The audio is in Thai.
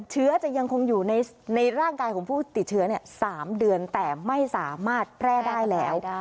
เชื้อจะยังคงอยู่ในร่างกายของผู้ติดเชื้อ๓เดือนแต่ไม่สามารถแพร่ได้แล้ว